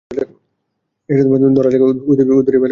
ধরা যাক উদ্ভিদের বেলায়ও বিকাশ হল।